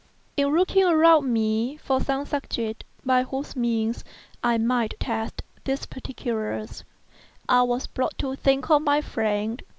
In looking around me for some subject by whose means I might test these particulars, I was brought to think of my friend, M.